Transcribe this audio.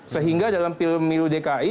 sehingga dalam pil milu dki